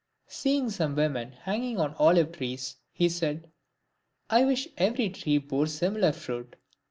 Seeing some women hanging on olive trees, he said, " I wish every tree bore similar fruit."